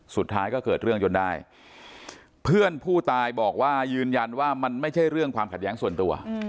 สุดท้ายก็เกิดเรื่องจนได้เพื่อนผู้ตายบอกว่ายืนยันว่ามันไม่ใช่เรื่องความขัดแย้งส่วนตัว